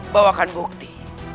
bahwa akan bukti